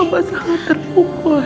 hamba sangat terpukul ya allah